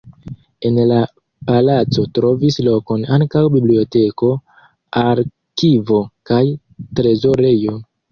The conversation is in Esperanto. En la palaco trovis lokon ankaŭ biblioteko, arkivo kaj trezorejo.